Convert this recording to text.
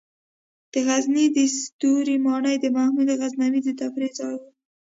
د غزني د ستوري ماڼۍ د محمود غزنوي د تفریح ځای و